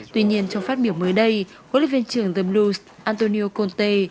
tuy nhiên trong phát biểu mới đây hlv trưởng the blues antonio conte